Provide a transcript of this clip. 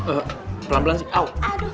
eh pelan pelan sih out